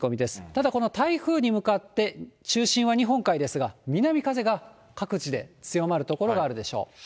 ただ、この台風に向かって中心は日本海ですが、南風が各地で強まる所があるでしょう。